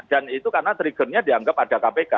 dan itu karena triggernya dianggap ada kpk kan